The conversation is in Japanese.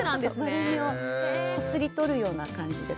丸みをこすり取るような感じで。